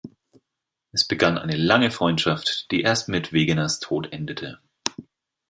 Es begann eine lange Freundschaft, die erst mit Wegeners Tod endete.